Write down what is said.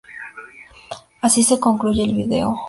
Así concluye el vídeo.